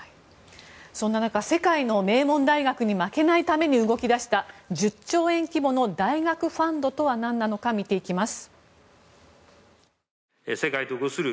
そんな中世界の名門大学に負けないために動き出した、１０兆円規模の大学ファンドとは何なのか見ていきます。